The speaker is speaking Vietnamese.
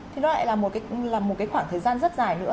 thì nó lại là một cái khoảng thời gian rất dài nữa